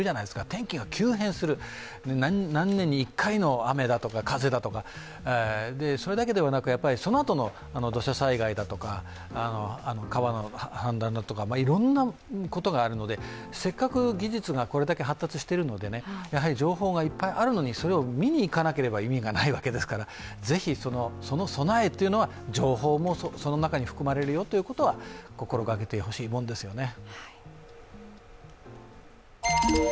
天気が急変する、何年に１回の雨だとか風だとか、それだけではなく、そのあとの土砂災害だとか川の氾濫だとかいろんなことがあるのでせっかく技術がこれだけ発達しているので、情報がいっぱいあるのにそれを見に行かなければ意味がないわけですからぜひその備えは情報もその中に含まれるということは心がけてほしいものですね。